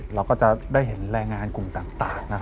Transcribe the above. เราก็จะได้เห็นแรงงานกลุ่มต่าง